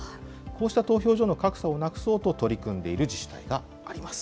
こうした投票所に格差をなくそうと取り組んでいる自治体があります。